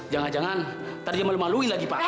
jangan jangan tadi malu maluin lagi pak